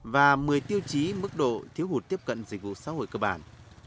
và một mươi tiêu chí mức độ thiếu hụt tiếp cận dịch vụ xã hội cơ bản